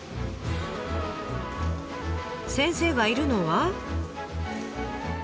先生がいるのは。